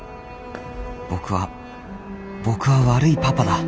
僕は僕は悪いパパだ。